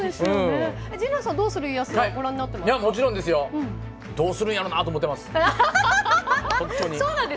陣内さんは「どうする家康」はもちろんですよ。どうするんやろうなって思ってます。